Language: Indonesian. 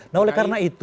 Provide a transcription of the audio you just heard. nah oleh karena itu